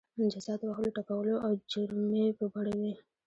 جزا د وهلو ټکولو او جریمې په بڼه وي.